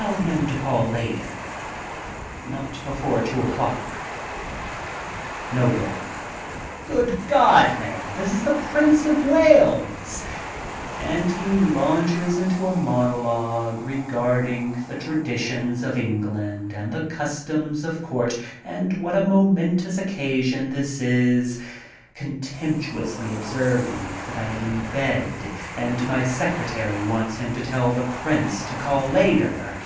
Tell him to call later. Not before two o'clock." Knobloch :Good God, man ! This is the Prince of Wales, '' and he launches into a monologue regarding the traditions of England and the customs of court and what a momentous occasion this is, contemptuously observing that I am in bed and my secretary wants him to tell the Prince to call later!